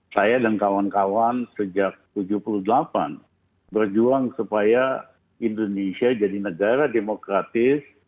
saya dan kawan kawan sejak seribu sembilan ratus tujuh puluh delapan berjuang supaya indonesia jadi negara demokratis